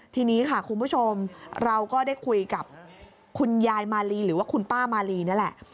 ทีนี้ค่ะคุณผู้ชมเราก็ได้คุยกับคุณยายมาลีหรือว่าคุณป้ามาลีนี่แหละ